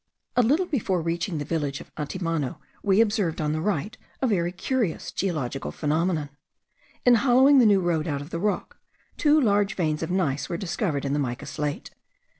A little before reaching the village of Antimano we observed on the right a very curious geological phenomenon. In hollowing the new road out of the rock, two large veins of gneiss were discovered in the mica slate.